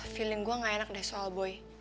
feeling gue gak enak deh soal boy